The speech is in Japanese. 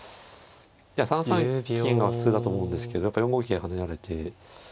いや３三金が普通だと思うんですけど４五桂跳ねられて。